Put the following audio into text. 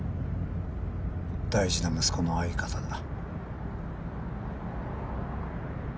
大事な息子の相方だ。